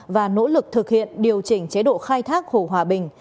và nỗ lực thực hiện điều chỉnh chế độ khai thác hồ hòa bình